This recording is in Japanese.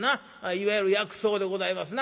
いわゆる薬草でございますな。